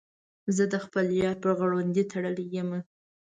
زه د خپل یار په غړوندي تړلی یم.